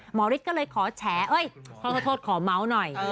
หมอริชก็เลยขอแฉเอ้ยขอขอโทษขอเมาส์หน่อย